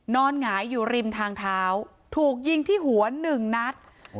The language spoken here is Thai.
หงายอยู่ริมทางเท้าถูกยิงที่หัว๑นัด